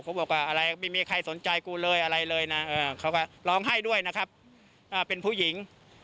บอกว่าอะไรไม่มีใครสนใจกูเลยอะไรเลยนะเขาก็ร้องไห้ด้วยนะครับว่าเป็นผู้หญิง